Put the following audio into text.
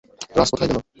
রাজ কোথায় গেল?